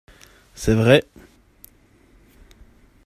C’est vrai